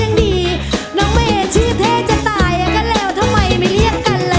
มองที่ใจหรือว่ามองที่หน้าตา